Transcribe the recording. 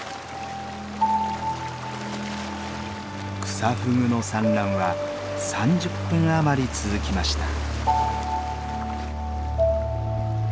クサフグの産卵は３０分あまり続きました。